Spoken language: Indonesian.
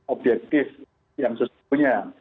objektif yang sesungguhnya